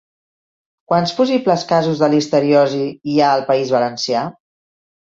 Quants possibles casos de listeriosi hi ha al País Valencià?